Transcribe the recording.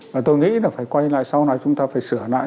và tôi nghĩ là phải quay lại sau này chúng ta phải sửa lại